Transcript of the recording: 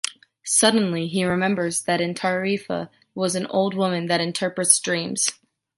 Suddenly he remembers that in Tarifa was a old woman that interpret dreams.